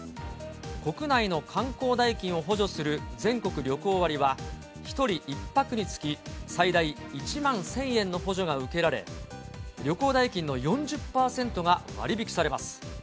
国内の観光代金を補助する全国旅行割は、１人１泊につき最大１万１０００円の補助が受けられ、旅行代金の４０％が割り引きされます。